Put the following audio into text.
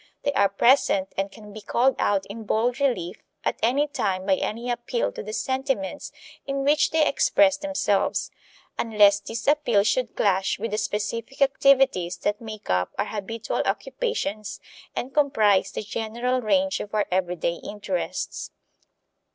They are present and can be called out in bold relief at any time by any appeal to the sentiments in which they express themselves unless this appeal should clash with the specific activities that make up our habitual occupations and comprise the general range of our everyday interests.